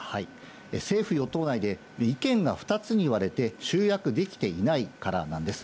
政府・与党内で、意見が２つに割れて、集約できていないからなんです。